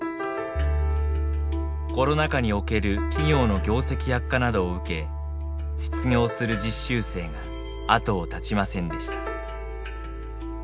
コロナ禍における企業の業績悪化などを受け失業する実習生が後を絶ちませんでした。